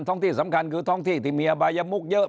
ที่สำคัญคือท้องที่ที่มีอบายมุกเยอะ